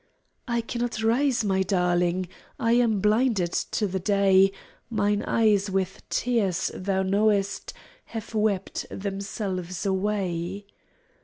"I cannot rise, my darling, I am blinded to the day. Mine eyes with tears, thou knowest, Have wept themselves away."